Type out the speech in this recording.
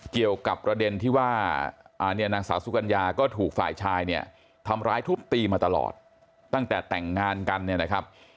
เกี่ยวกับประเด็นที่ว่าเนี่ยนางสาวสุกัญญาก็ถูกฝ่ายชายเนี่ยทำร้ายทุบตีมาตลอดตั้งแต่แต่งงานกันเนี่ยนะครับ